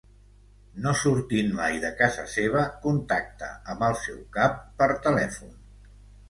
No sortint mai de casa seva, contacta amb el seu cap per telèfon.